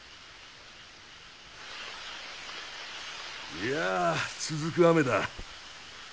いや続く雨だ。